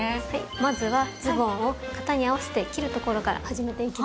まずはズボンを型に合わせて切るところから始めていきましょう。